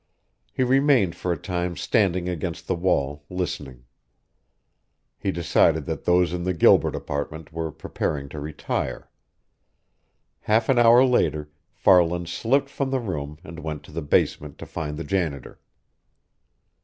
He remained for a time standing against the wall, listening. He decided that those in the Gilbert apartment were preparing to retire. Half an hour later, Farland slipped from the room and went to the basement to find the janitor.